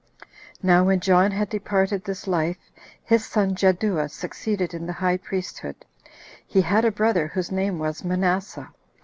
2. Now when John had departed this life, his son Jaddua succeeded in the high priesthood. He had a brother, whose name was Manasseh.